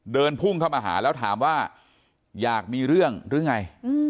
เดินพุ่งเข้ามาหาแล้วถามว่าอยากมีเรื่องหรือไง